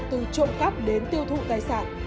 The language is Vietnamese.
từ trộm cắp đến tiêu thụ tài sản